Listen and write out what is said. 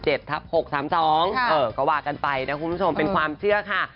ก็ว่ากันไปนะคุณผู้ชมเป็นความเชื่อค่ะ